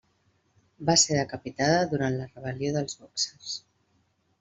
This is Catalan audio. Va ser decapitada durant la Rebel·lió dels bòxers.